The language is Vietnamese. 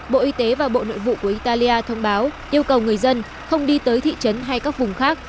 bộ y tế và bộ nội vụ của italia thông báo yêu cầu người dân không đi tới thị trấn hay các vùng khác